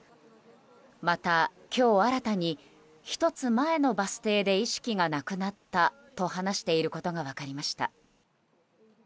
また、今日新たに１つ前のバス停で意識がなくなったと話していることが分かりました。